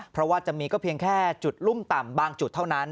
เพราะว่าจะมีก็เพียงแค่จุดรุ่มต่ำบางจุดเท่านั้น